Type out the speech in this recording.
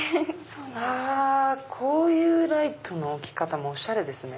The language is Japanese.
こういうライトの置き方もおしゃれですね。